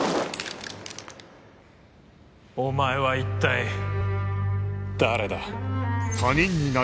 お前は一体誰だ？